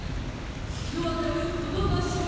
日の当たるこの場所へ！